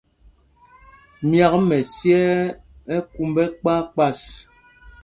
Myâk mɛsyɛɛ ú kumb ɛkpas kpas.